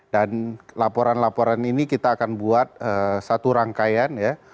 dan laporan laporan ini kita akan buat satu rangkaian ya